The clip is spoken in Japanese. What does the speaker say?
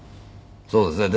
そうですね。